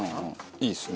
いいですね。